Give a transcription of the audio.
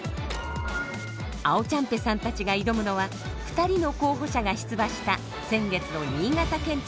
あおちゃんぺさんたちが挑むのは２人の候補者が出馬した先月の新潟県知事選挙。